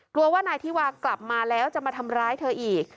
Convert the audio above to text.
กลัวว่านายธิวากลับมาแล้วจะมาทำร้ายเธออีก